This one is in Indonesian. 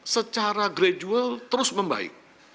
secara gradual terus membaik